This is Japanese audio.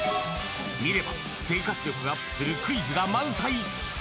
見れば生活力がアップするクイズが満載。